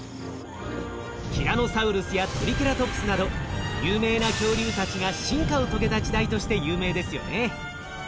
ティラノサウルスやトリケラトプスなど有名な恐竜たちが進化を遂げた時代として有名ですよね。